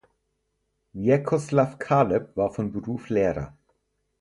Vjekoslav Kaleb war von Beruf Lehrer.